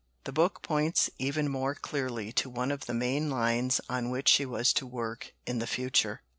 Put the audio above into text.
The book points even more clearly to one of the main lines on which she was to work in the future.